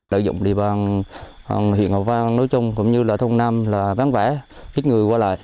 đợi dụng địa bàn huyện hòa vang nói chung cũng như là thông nam là ván vẽ khích người qua lại